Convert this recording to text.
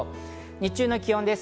日中の気温です。